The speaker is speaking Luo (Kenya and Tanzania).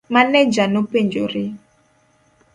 Maneja nopenjore.